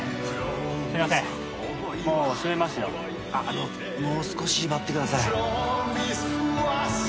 あのもう少し待ってください。